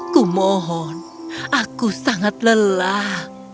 kumohon aku sangat lelah